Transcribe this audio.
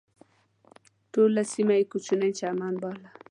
ټوله سیمه یې کوچنی چمن باله.